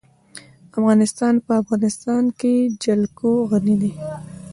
افغانستان په د افغانستان جلکو غني دی.